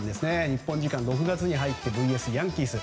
日本時間６月に入ってＶＳヤンキース。